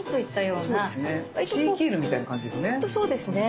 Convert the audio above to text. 地域犬みたいな感じですね。